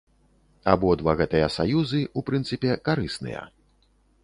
Але абодва гэтыя саюзы, у прынцыпе, карысныя.